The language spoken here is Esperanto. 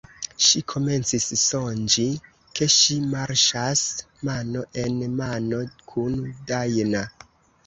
Ŝi komencis sonĝi ke ŝi marŝas mano en mano kun Dajna.